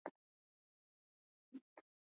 gine siku hizi za karibuni watafika mpaka mozambiki